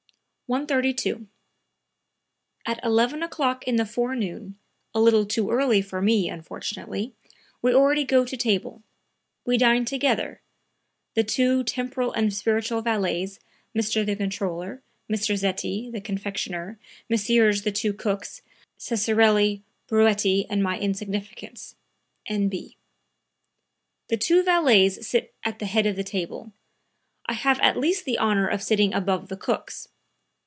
132. "At 11 o'clock in the forenoon, a little too early for me, unfortunately, we already go to table; we dine together, the two temporal and spiritual valets, Mr. the Controller, Mr. Zetti, the Confectioner, Messrs. the two cooks, Ceccarelli, Brunetti and my insignificance. N.B. The two valets sit at the head of the table; I have at least the honor of sitting above the cooks.